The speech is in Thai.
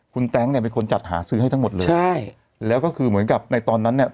คุณแต๊งเนี่ยเป็นคนจัดหาซื้อให้ทั้งหมดเลยใช่แล้วก็คือเหมือนกับในตอนนั้นเนี่ย